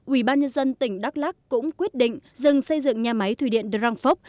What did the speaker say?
ubnd tỉnh đắk lắc cũng quyết định dừng xây dựng nhà máy thủy điện drang phúc